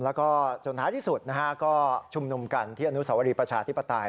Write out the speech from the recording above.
แล้วก็จนท้ายที่สุดนะฮะก็ชุมนุมกันที่อนุสาวรีประชาธิปไตย